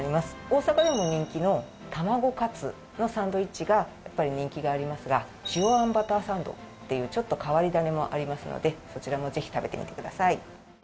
大阪でも人気のタマゴカツのサンドイッチがやっぱり人気がありますが塩あんバターサンドっていうちょっと変わり種もありますのでそちらもぜひ食べてみてください